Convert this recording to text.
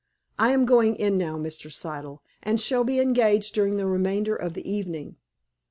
I am going in now, Mr. Siddle, and shall be engaged during the remainder of the evening.